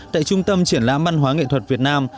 tại trung tâm triển lãm văn hóa nghệ thuật việt nam